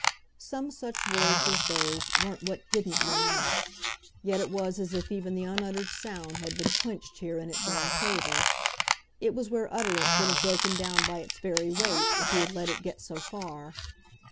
Some such words as those were what DIDN'T ring out, yet it was as if even the unuttered sound had been quenched here in its own quaver. It was where utterance would have broken down by its very weight if he had let it get so far.